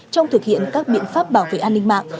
trong thực hiện các biện pháp bảo vệ an ninh mạng